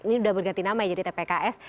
ini sudah berganti nama ya jadi tpks